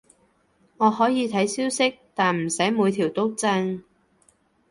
我可以睇消息，但唔使每條都震